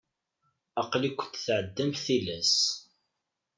Aql-ikent tεedamt tilas.